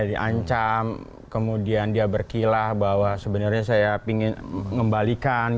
diancam kemudian dia berkilah bahwa sebenarnya saya ingin mengembalikan